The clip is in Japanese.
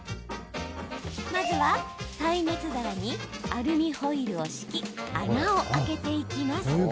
まずは、耐熱皿にアルミホイルを敷き穴を開けていきます。